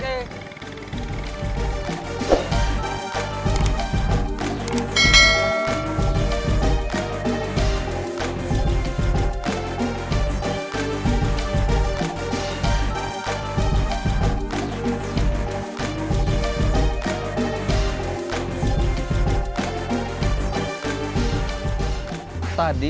kita akan cari